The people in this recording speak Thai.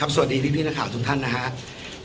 สวัสดีพี่นักข่าวทุกท่านนะครับ